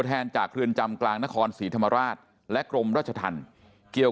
แทนจากเรือนจำกลางนครศรีธรรมราชและกรมราชธรรมเกี่ยว